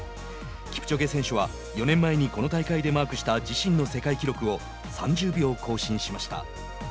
キプチョゲ選手は４年前にこの大会でマークした自身の世界記録を３０秒更新しました。